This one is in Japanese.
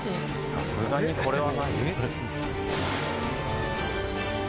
さすがにこれは。